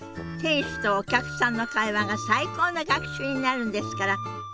店主とお客さんの会話が最高の学習になるんですから。